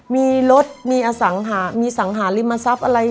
มีรถมีสังหาริมทรัพย์อะไร